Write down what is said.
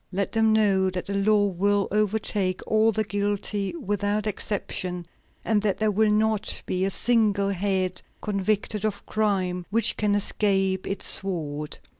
Let them know that the law will overtake all the guilty without exception, and that there will not be a single head convicted of crime which can escape its sword."